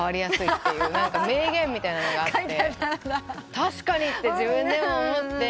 確かにって自分でも思って。